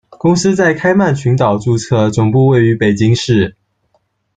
公司在开曼群岛注册，总部位于北京市。